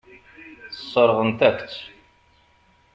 Sseṛɣent-ak-tt.